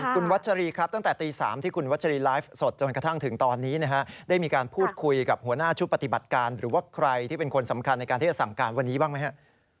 คุณวัชรีครับตั้งแต่ตี๓ที่คุณวัชรีไลฟ์สดจนกระทั่งถึงตอนนี้นะฮะได้มีการพูดคุยกับหัวหน้าชุดปฏิบัติการหรือว่าใครที่เป็นคนสำคัญในการที่จะสั่งการวันนี้บ้างไหมครับ